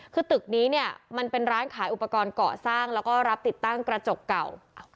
คือตึกนี้เนี่ยมันเป็นร้านขายอุปกรณ์เกาะสร้างแล้วก็รับติดตั้งกระจกเก่า